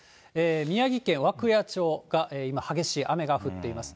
宮城県涌谷町が今、激しい雨が降っています。